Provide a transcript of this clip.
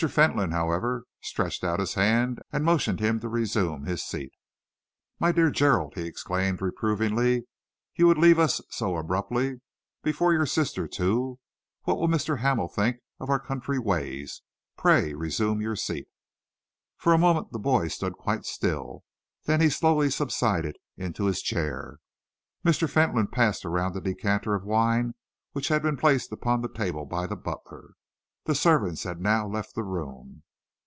Fentolin, however, stretched out his hand and motioned him to resume his seat. "My dear Gerald!" he exclaimed reprovingly. "You would leave us so abruptly? Before your sister, too! What will Mr. Hamel think of our country ways? Pray resume your seat." For a moment the boy stood quite still, then he slowly subsided into his chair. Mr. Fentolin passed around a decanter of wine which had been placed upon the table by the butler. The servants had now left the room.